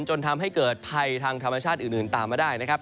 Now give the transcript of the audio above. จนทำให้เกิดภัยทางธรรมชาติอื่นตามมาได้นะครับ